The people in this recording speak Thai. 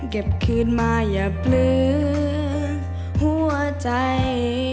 เก็บคืนมาอย่าเผลอหัวใจ